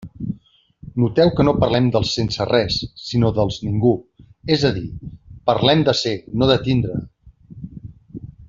Noteu que no parlem dels «sense res», sinó dels «ningú», és a dir, parlem de ser, no de tindre.